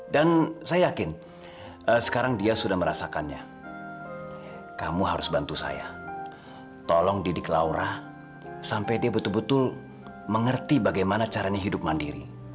dan saya yakin sekarang dia sudah merasakannya kamu harus bantu saya tolong didik laura sampai dia betul betul mengerti bagaimana caranya hidup mandiri